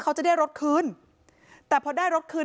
เขาจะได้รถคืนแต่พอได้รถคืน